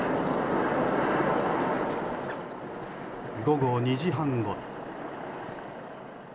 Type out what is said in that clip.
午後２時半ごろ。